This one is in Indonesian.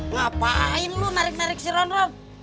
ngapain lu narik narik si ronron